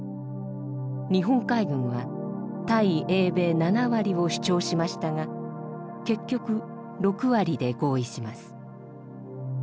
日本海軍は対英米７割を主張しましたが結局６割で合意します。